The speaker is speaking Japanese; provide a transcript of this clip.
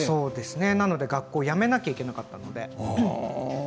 なので、学校を辞めなきゃいけなかったので。